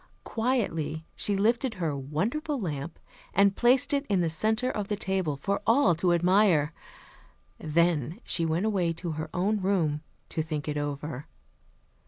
Quietly she lifted her "wonderful lamp" and placed it in the center of the table for all to admire. Then she went away to her own room to think it over.